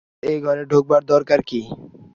তোমার এ ঘরে ঢোকবার দরকার কী?